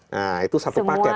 nah itu satu paket